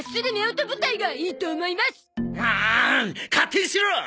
勝手にしろ！